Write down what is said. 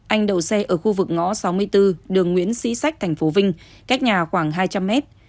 anh đậu xe ở khu vực ngõ sáu mươi bốn đường nguyễn sĩ sách thành phố vinh cách nhà khoảng hai trăm linh mét